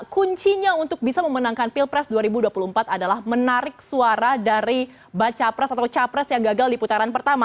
kuncinya untuk bisa memenangkan pilpres dua ribu dua puluh empat adalah menarik suara dari baca pres atau capres yang gagal di putaran pertama